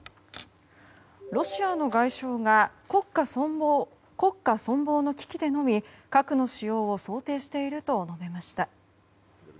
ロシアの外相が国家存亡の危機でのみ核の使用を想定していると述べました。